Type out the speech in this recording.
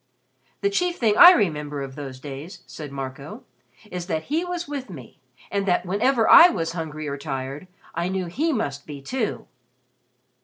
"The chief thing I remember of those days," said Marco, "is that he was with me, and that whenever I was hungry or tired, I knew he must be, too."